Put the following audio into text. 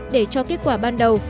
để cho kết quả ban đầu